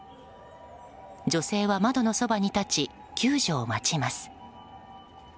女性は窓のそばに立ち救助を待ちます。